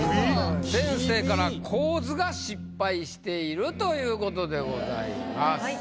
先生から「構図が失敗している」ということでございます。